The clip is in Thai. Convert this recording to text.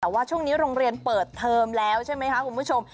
แต่ว่าช่วงนี้โรงเรียนเปิดเทอมแล้วใช่ไหมคะคุณผู้ชม